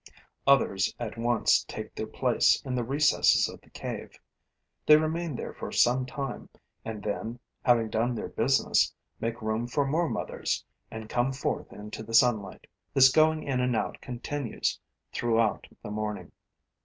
Others at once take their place in the recesses of the cave. They remain there for some time and then, having done their business, make room for more mothers and come forth into the sunlight. This going in and out continues throughout the morning.